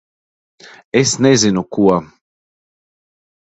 Es nezinu ko...